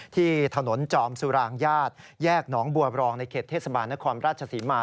ที่ถนนจอมสุรางญาติแยกหนองบัวรองในเขตเทศบาลนครราชศรีมา